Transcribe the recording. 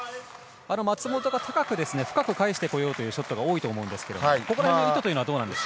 松本が高く深く返してこようというショットが多いと思うんですが意図というのは？